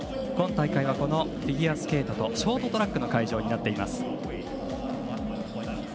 今大会はフィギュアスケートとショートトラックの会場になっています。